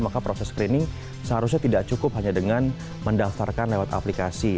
maka proses screening seharusnya tidak cukup hanya dengan mendaftarkan lewat aplikasi